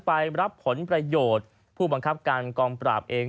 ไปรับผลประโยชน์ผู้บังคับการกองปราบเอง